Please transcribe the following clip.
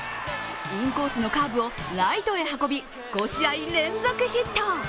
インコースのカーブをライトへ運び、５試合連続ヒット。